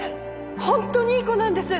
本当にいい子なんです！